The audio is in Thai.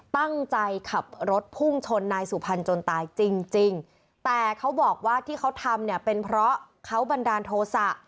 ตั้งใจขับรถพุ่งชนนายสุพรรณจนตายจริงจริงแต่เขาบอกว่าที่เขาทำเนี่ยเป็นเพราะเขาบันดาลโทษะ